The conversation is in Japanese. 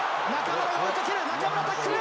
中村、タックル！